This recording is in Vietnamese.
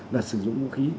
là sử dụng vũ khí